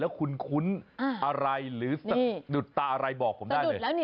คุณคุ้นอะไรหรือสะดุดตาอะไรบอกผมได้เลย